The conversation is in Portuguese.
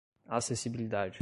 acessibilidade